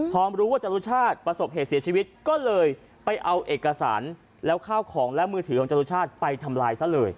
พอรู้ว่าจรุชาติประสบเหตุเสียชีวิตก็เลยไปเอาเอกสารแล้วข้าวของและมือถือของจรุชาติไปทำลายซะเลย